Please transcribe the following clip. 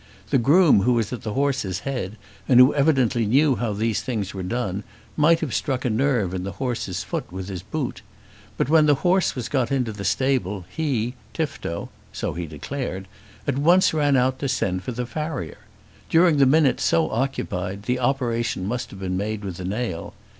The groom who was at the horse's head, and who evidently knew how these things were done, might have struck a nerve in the horse's foot with his boot. But when the horse was got into the stable he, Tifto, so he declared, at once ran out to send for the farrier. During the minutes so occupied the operation must have been made with the nail.